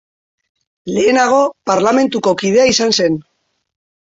Lehenago Parlamentuko kidea izan zen.